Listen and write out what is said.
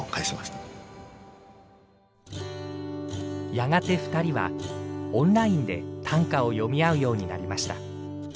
やがて２人はオンラインで短歌を詠みあうようになりました。